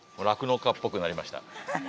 酪農家っぽくなりました。